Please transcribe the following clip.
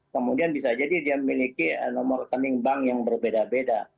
kemudian bisa jadi dia memiliki nomor rekening bank yang berbeda beda